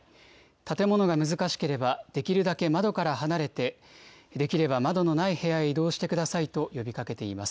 建物が難しければ、できるだけ窓から離れて、できれば窓のない部屋に移動してくださいと呼びかけています。